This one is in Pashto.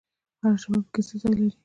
هر ژبه پکې څه ځای لري؟